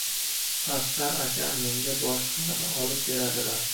— Asqar akam menga boshqasini olib beradilar.